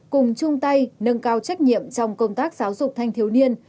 cùng chung tay nâng cao trách nhiệm trong công tác giáo dục thanh thiếu niên